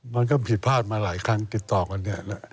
มันก็ผิดพลาดมาหลายครั้งติดต่อกันเนี่ยแหละ